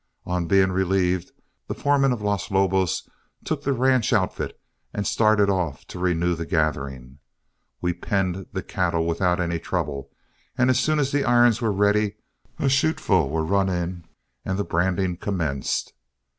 On being relieved, the foreman of Los Lobos took the ranch outfit and started off to renew the gathering. We penned the cattle without any trouble, and as soon as the irons were ready, a chuteful were run in and the branding commenced.